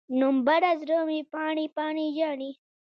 نومبره، زړه مې پاڼې، پاڼې ژاړي